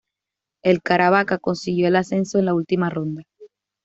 El Caravaca consiguió el ascenso en la última ronda.